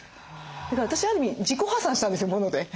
だから私はある意味自己破産したんですよモノで。